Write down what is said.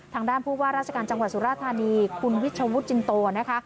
ทางด้านผู้ว่าราชการจังหวัดสุราธานีคุณวิชวุฒิจินโตนะคะ